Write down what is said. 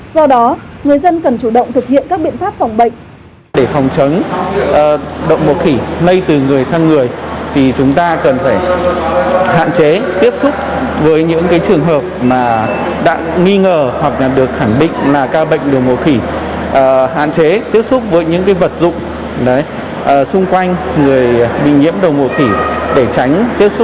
do đó người dân cần chủ động thực hiện các biện pháp phòng bệnh